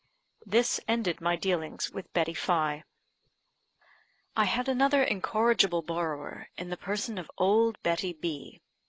This ended my dealings with Betty Fye. I had another incorrigible borrower in the person of old Betty B